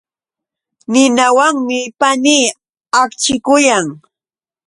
Ninawanmi panii akchikuyan.